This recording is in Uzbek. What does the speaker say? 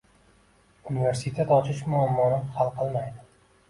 Universitet ochish muammoni hal qilmaydi.